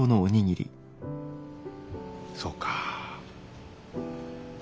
そうかあ。